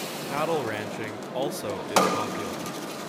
Cattle ranching also is popular.